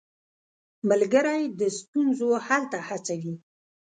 ملګری د ستونزو حل ته هڅوي.